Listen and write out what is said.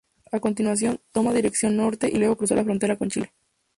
A continuación, toma dirección norte y luego cruzó la frontera con Chile.